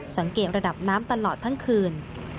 สังเกตระดับน้ำตลอดทั้งคืน